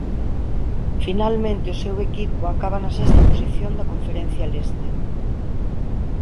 Finalmente o seu equipo acaba na sexta posición da Conferencia Leste.